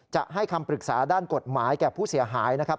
จะให้คำปรึกษาด้านกฎหมายแก่ผู้เสียหายนะครับ